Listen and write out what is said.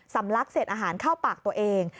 ลักเสร็จอาหารเข้าปากตัวเอง